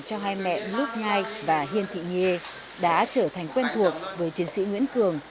cho hai mẹ lúc nhai và hiên thị nghê đã trở thành quen thuộc với chiến sĩ nguyễn cường